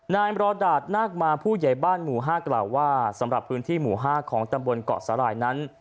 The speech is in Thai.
นายมรดาตนาคมาผู้ใหญ่บ้านหมู่๕กล่าวว่าสำหรับพื้นที่หมู่๕ของตำบลเกาะสาหร่ายนั้น